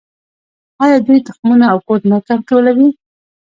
آیا دوی تخمونه او کود نه کنټرولوي؟